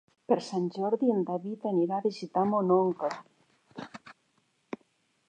Per Sant Jordi en David anirà a visitar mon oncle.